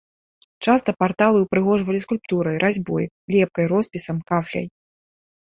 Часта парталы ўпрыгожвалі скульптурай, разьбой, лепкай, роспісам, кафляй.